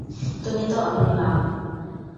তুমি তো অনন্য।